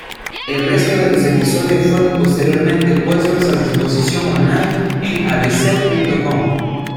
El resto de los episodios fueron posteriormente puestos a disposición online en "abc.com".